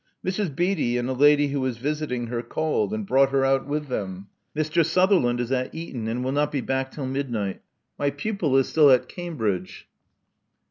Mrs. ^ Beatty and a lady who is visiting her called and brought her out with them. Mr. Sutherland is at 42 Love Among the Artists Eton, and will not be back till midnight My pupil is still at Cambridge."